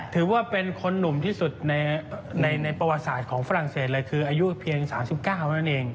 ถือว่าเป็นคนหนุ่มที่สุดในประวัติศาสตร์ของฝรั่งเศสเลยคืออายุเพียง๓๙เท่านั้นเอง